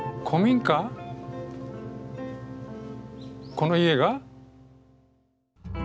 この家が？